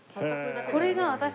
これが私